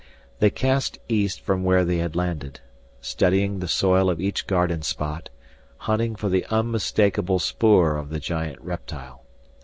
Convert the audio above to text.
They cast east from where they had landed, studying the soil of each garden spot, hunting for the unmistakable spoor of the giant reptile.